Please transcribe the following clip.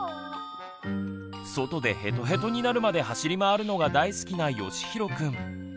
外でヘトヘトになるまで走り回るのが大好きなよしひろくん。